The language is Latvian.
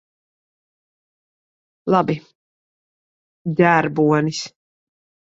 Labi. Ģērbonis.